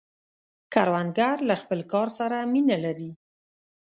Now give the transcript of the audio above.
کروندګر له خپل کار سره مینه لري